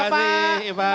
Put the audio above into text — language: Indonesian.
terima kasih iban